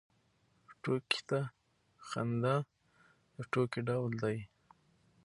ټوکې ته خندا د ټوکې ډول دی.